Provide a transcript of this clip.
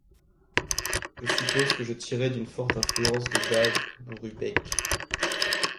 Je suppose que je tirais d'une forte influence de Dave Brubeck.